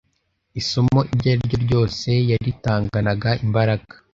Isomo iryo ari ryo ryose yaritanganaga imbaraga,